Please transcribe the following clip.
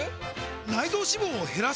内臓脂肪を減らす！？